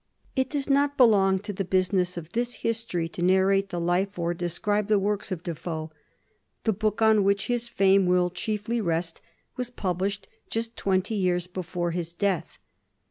It does not belong to the busi ness of this history to narrate the life or describe the works of Defoe. The book on which his fame will chief ly rest was published just twenty years before his death.